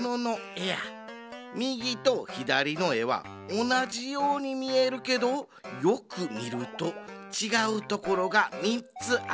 みぎとひだりのえはおなじようにみえるけどよくみるとちがうところが３つあるんや。